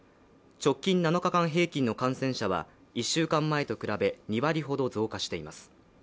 直近７日間平均の感染者は１週間前と比べ２割ほど増加しています。